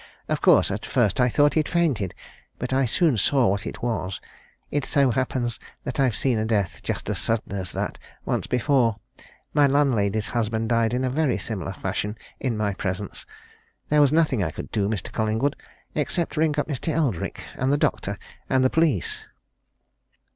Of course, at first I thought he'd fainted, but I soon saw what it was it so happens that I've seen a death just as sudden as that, once before my landlady's husband died in a very similar fashion, in my presence. There was nothing I could do, Mr. Collingwood except ring up Mr. Eldrick, and the doctor, and the police."